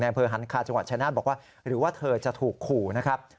อำเภอหันคาจังหวัดชายนาฏบอกว่าหรือว่าเธอจะถูกขู่นะครับ